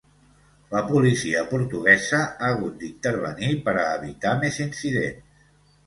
La policia portuguesa ha hagut d’intervenir per a evitar més incidents.